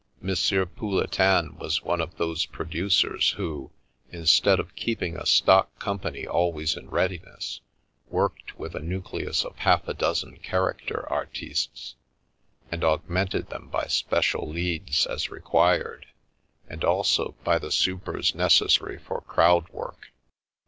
Pouletin was one of those producers who, instead of keeping a stock company al ways in readiness, worked with a nucleus of half a dozen character artistes, and augmented them by special " leads," as required, and also by the supers necessary for crowd work.